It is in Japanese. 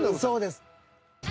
そうです。